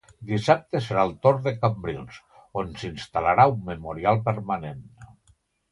Dissabte serà el torn de Cambrils, on s'instal·larà un memorial permanent.